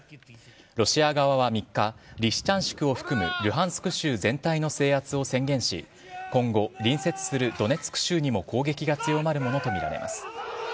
ロシア側は３日、リシチャンシクを含むルハンスク州全体の制圧を宣言し、今後、隣接するドネツク州にも攻撃が強まるものと見られます。